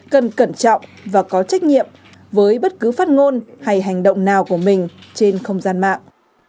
cần cẩn trọng và có trách nhiệm với bất cứ phát ngôn hay hành động nào của mình trên không gian mạng